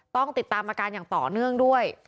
ต้องติดตามอาการอย่างต่อเนื่องด้วย